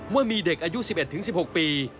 ว่ามีเด็กอายุ๑๑๑๖ปี